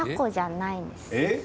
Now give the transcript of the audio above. えっ？